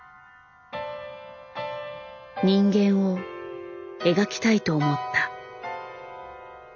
人間を描きたいと思った。